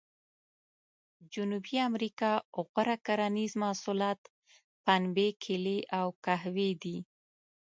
جنوبي امریکا غوره کرنیز محصولات پنبې، کېلې او قهوې دي.